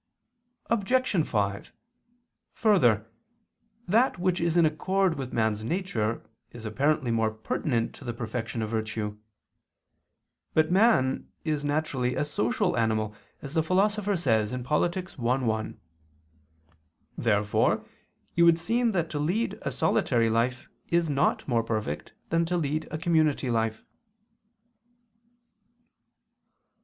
Obj. 5: Further, that which is in accord with man's nature is apparently more pertinent to the perfection of virtue. But man is naturally a social animal, as the Philosopher says (Polit. i, 1). Therefore it would seem that to lead a solitary life is not more perfect than to lead a community life.